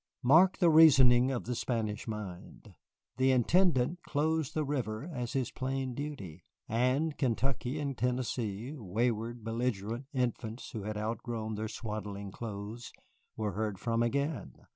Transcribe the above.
Mark the reasoning of the Spanish mind. The Intendant closed the River as his plain duty. And Kentucky and Tennessee, wayward, belligerent infants who had outgrown their swaddling clothes, were heard from again.